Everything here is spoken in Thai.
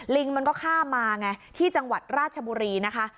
ลิงมันก็ข้ามมาไงที่จังหวัดราชบุรีนะคะ